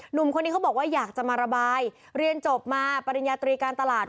หนุ่มคนนี้เขาบอกว่าอยากจะมาระบายเรียนจบมาปริญญาตรีการตลาด